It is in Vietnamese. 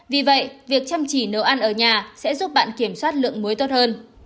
vì vậy việc chăm chỉ nấu ăn ở nhà sẽ giúp bạn kiểm soát lượng muối tốt hơn